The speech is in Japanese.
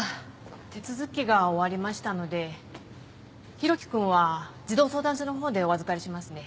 手続きが終わりましたので浩輝君は児童相談所の方でお預かりしますね。